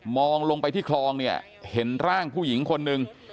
ลงไปที่คลองเนี่ยเห็นร่างผู้หญิงคนหนึ่ง